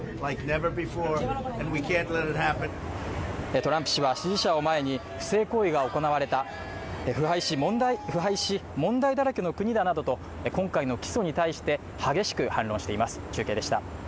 トランプ氏は支持者を前に、不正行為が行われた腐敗し問題だらけの国だなどと今回の起訴に対して激しく反論しています。